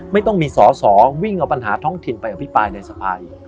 ไม่ต้องมีสอสอวิ่งเอาปัญหาท้องถิ่นไปอภิปรายในสภาอีก